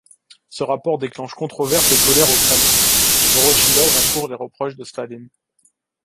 Ce rapport déclenche controverses et colères au Kremlin, Vorochilov encourt les reproches de Staline.